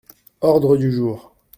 Ordre du jour.